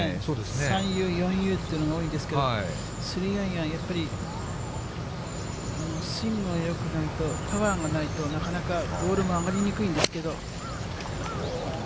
３ユー、４ユーというのが多いんですけど、３アイアン、やっぱり真のなんかパワーがないと、なかなかボールも上がりにくいんですけど。